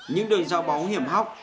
những đường giao bóng hiểm hóc